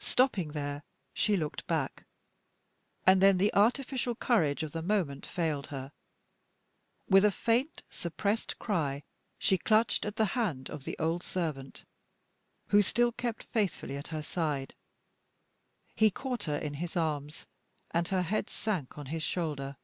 Stopping there, she looked back; and then the artificial courage of the moment failed her. With a faint, suppressed cry she clutched at the hand of the old servant, who still kept faithfully at her side; he caught her in his arms, and her head sank on his shoulder.